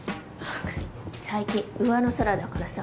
最近うわの空だからさ。